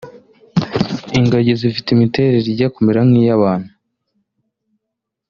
Ingagi zifite imiterere ijya kumera nk’iy’abantu